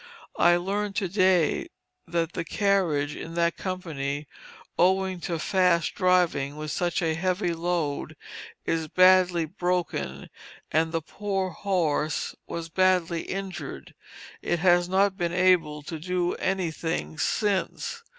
I learn to day, that the carriage in that company, owing to fast driving with such a heavy load, is badly broken, and the poor horse was badly injured; it has not been able to do anything since.